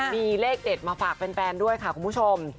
มีเลขเด็ดมาฝากแฟนด้วยค่ะคุณผู้ชม